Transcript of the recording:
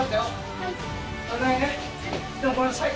はい。